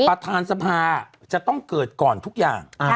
ประธานสภาจะต้องเกิดก่อนทุกอย่าง